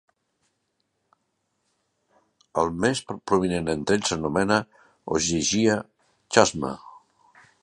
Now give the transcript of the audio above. El més prominent entre ells s'anomena "Ogygia Chasma".